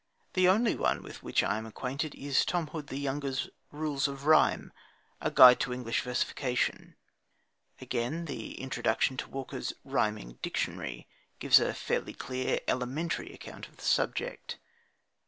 The only one with which I am acquainted is Tom Hood the younger's Rules of Rhyme: A Guide to English Versification. Again, the introduction to Walker's Rhyming Dictionary gives a fairly clear elementary account of the subject.